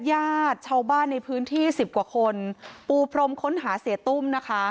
ญาติชาวบ้านในพื้นที่๑๐กว่าคนปูพรมค้นหาเสตุ้ม